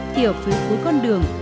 thì ở phía cuối con đường